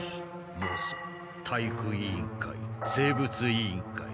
モソ体育委員会生物委員会。